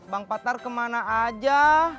bang patar kemana aja